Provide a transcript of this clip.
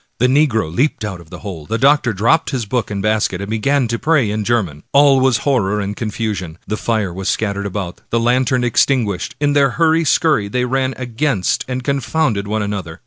The negro leaped out of the hole, the doctor dropped his book and basket, and began to pray in German. All was horror and confusion. The fire was scattered about, the lantern extin guished. In their hurry scurry ^ they ran against and con founded one another.